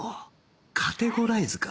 カテゴライズか